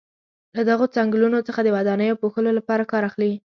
له دغو څنګلونو څخه د ودانیو پوښلو لپاره کار اخلي.